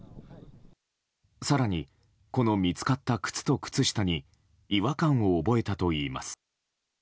更にこの見つかった靴と靴下に違和感を覚えたといいます。